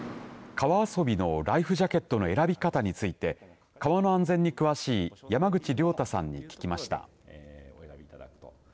川遊びのライフジャケットの選び方について川の安全に詳しい山口遼太さんに聞きました。